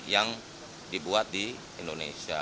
yang dibuat di indonesia